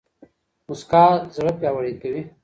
موسکا زړه پياوړی کوي